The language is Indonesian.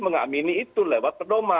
mengamini itu lewat perdoman